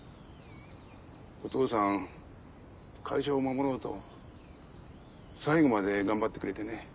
お父さん会社を守ろうと最後まで頑張ってくれてね。